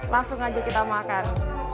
langsung aja kita makan